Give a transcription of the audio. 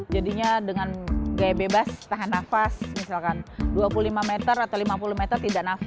jadinya dengan gaya bebas tahan nafas misalkan dua puluh lima meter atau lima puluh meter tidak nafas